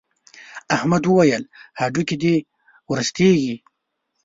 احمد وويل: هډوکي دې ورستېږي.